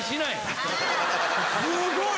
すごい！